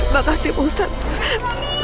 makasih pak ustadz